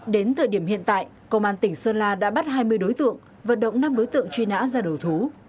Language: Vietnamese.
đến thời điểm hiện tại công an tỉnh sơn la đã bắt hai mươi đối tượng vận động năm đối tượng truy nã ra đầu thú